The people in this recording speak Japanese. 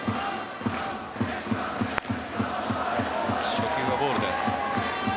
初球はボールです。